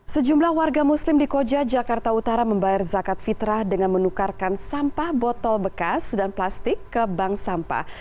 sejumlah warga muslim di koja jakarta utara membayar zakat fitrah dengan menukarkan sampah botol bekas dan plastik ke bank sampah